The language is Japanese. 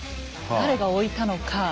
誰が置いたのか。